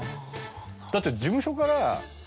だって事務所から。